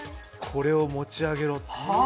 これを持ち上げろ